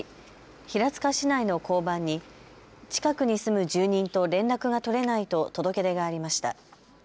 平塚市内の交番に近くに住む住人と連絡が取れないと届け出がありました。